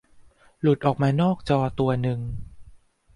หลุดออกมานอกจอตัวนึง